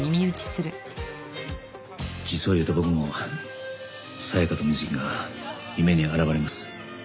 実を言うと僕も清と聖が夢に現れます。